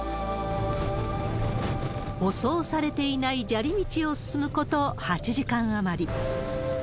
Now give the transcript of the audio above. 舗装されていない砂利道を進むこと８時間余り。